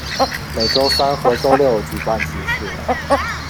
每周三和周六举办集市。